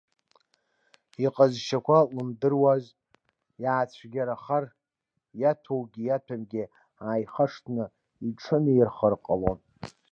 Иҟазшьақәа лымдыруаз, иаацәгьарахар, иаҭәоугьы иаҭәамгьы ааихашҭны иҿынеихар ҟалон.